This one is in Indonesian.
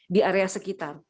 di area sekitar